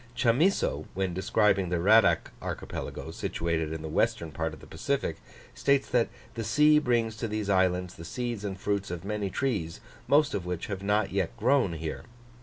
Chamisso, when describing the Radack Archipelago, situated in the western part of the Pacific, states that "the sea brings to these islands the seeds and fruits of many trees, most of which have yet not grown here.